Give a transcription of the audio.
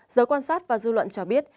giới quan sát và dư luận cho biết